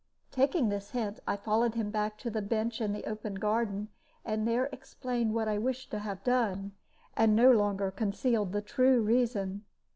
Taking this hint, I followed him back to the bench in the open garden, and there explained what I wished to have done, and no longer concealed the true reason.